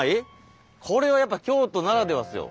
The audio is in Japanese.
これはやっぱ京都ならではですよ。